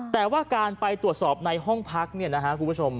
แต่ว่าการไปตรวจสอบในห้องพักเนี่ยนะฮะคุณผู้ชม